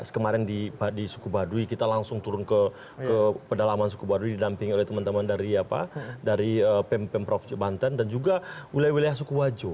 kemarin di sukubadwi kita langsung turun ke pedalaman sukubadwi didampingi oleh teman teman dari pemprov banten dan juga wilayah wilayah sukuwajo